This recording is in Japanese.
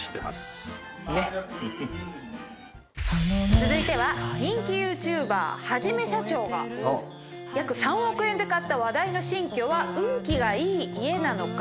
続いては人気ＹｏｕＴｕｂｅｒはじめしゃちょーが約３億円で買った話題の新居は運気がいい家なのか